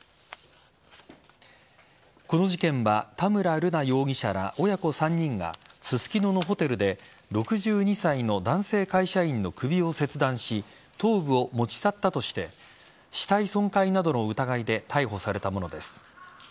この事件は田村瑠奈容疑者ら親子３人がススキノのホテルで６２歳の男性会社員の首を切断し頭部を持ち去ったとして死体損壊などの疑いで逮捕されたものです。